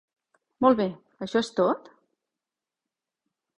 Molt bé, això és tot?